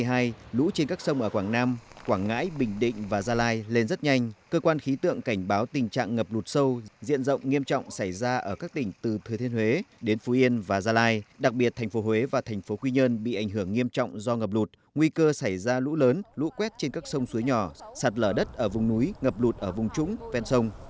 sáu tháng một mươi hai lũ trên các sông ở quảng nam quảng ngãi bình định và gia lai lên rất nhanh cơ quan khí tượng cảnh báo tình trạng ngập lụt sâu diện rộng nghiêm trọng xảy ra ở các tỉnh từ thừa thiên huế đến phú yên và gia lai đặc biệt thành phố huế và thành phố quy nhơn bị ảnh hưởng nghiêm trọng do ngập lụt nguy cơ xảy ra lũ lớn lũ quét trên các sông suối nhỏ sạt lở đất ở vùng núi ngập lụt ở vùng trúng ven sông